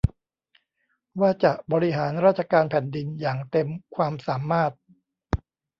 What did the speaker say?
ว่าจะบริหารราชการแผ่นดินอย่างเต็มความสามารถ